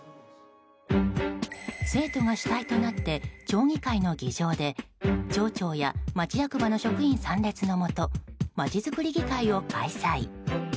生徒が主体となって町議会の議場で町長や町役場の職員参列のもと町づくり議会を開催。